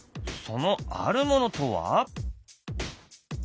そのあるものとは？